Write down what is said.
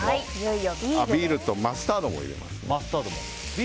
ビールとマスタードも入れます。